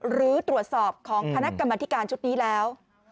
หรือตรวจสอบของคณะกรรมธิการชุดนี้แล้ว